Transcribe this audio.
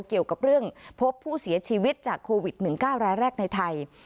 เกี่ยวกับเรื่องพบผู้เสียชีวิตจากโควิด๑๙รายแรกในไทย